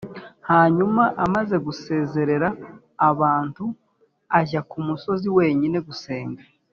Hanyuma amaze gusezerera abantu ajya ku musozi wenyine gusenga